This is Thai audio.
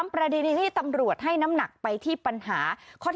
๓ประเด็นที่ตำรวจให้น้ำหนักไปที่ปัญหา